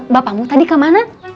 bapamu tadi kemana